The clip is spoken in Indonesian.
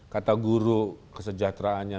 kata guru kesejahteraannya